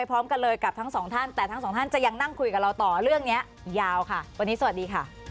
โปรดติดตามตอนต่อไป